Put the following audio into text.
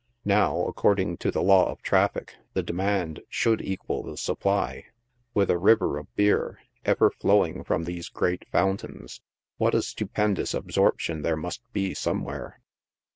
Now according to the law of traffic, the demand should equal the supply. With a river of beer, ever flowing from these great fountains, what a stupendous absorption there must be somewhere.